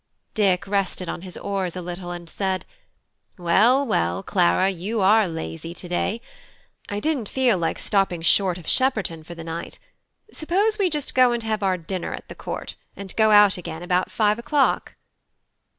Dick rested on his oars a little, and said: "Well, well, Clara, you are lazy to day. I didn't feel like stopping short of Shepperton for the night; suppose we just go and have our dinner at the Court, and go on again about five o'clock?"